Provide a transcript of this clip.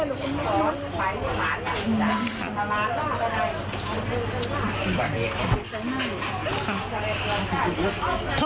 รวมอังแม่หนู